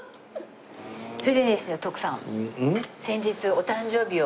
それでですね徳さん。